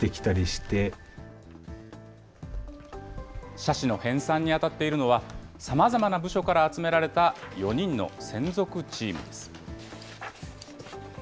社史の編さんに当たっているのは、さまざまな部署から集められた４人の専属チームです。